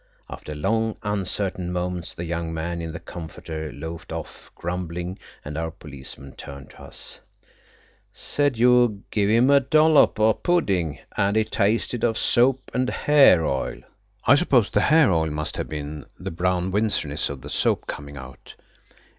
After long uncertain moments the young man in the comforter loafed off grumbling, and our policeman turned to us. "Said you give him a dollop o' pudding, and it tasted of soap and hair oil." I suppose the hair oil must have been the Brown Windsoriness of the soap coming out.